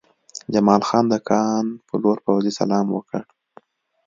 جمال خان د کان په لور پوځي سلام وکړ